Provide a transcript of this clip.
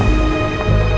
kami akan menangkap kalian